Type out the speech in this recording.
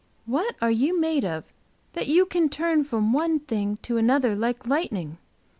What are you made of that you can turn from one thing to another like lightning?